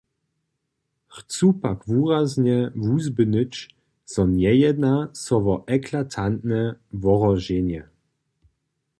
Chcu pak wuraznje wuzběhnyć, zo njejedna so wo eklatantne wohroženje.